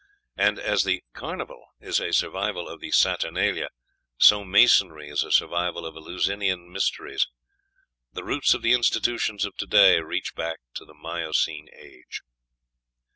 And, as the "Carnival" is a survival of the "Saturnalia," so Masonry is a survival of the Eleusinian mysteries. The roots of the institutions of to day reach back to the Miocene Age.